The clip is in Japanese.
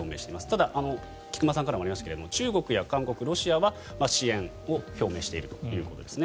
ただ菊間さんからもありましたが中国や韓国、ロシアは支援を表明しているということです。